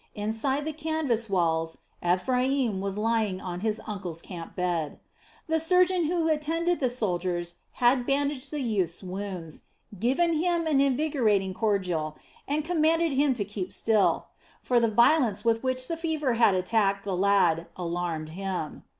Inside the canvas walls Ephraim was lying on his uncle's camp bed. The surgeon who attended the soldiers had bandaged the youth's wounds, given him an invigorating cordial, and commanded him to keep still; for the violence with which the fever had attacked the lad alarmed him.